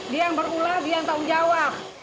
dia yang berulang dia yang tau jawab